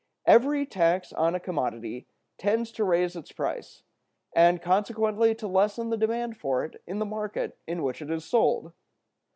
Every tax on a commodity tends to raise its price, and consequently to lessen the demand for it in the market in which it is sold.